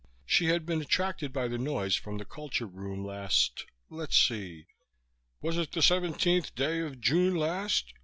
She had been attracted by the noise from the culture room last let's see "Was it the seventeenth day of June last?"